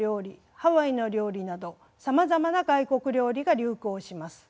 ハワイの料理などさまざまな外国料理が流行します。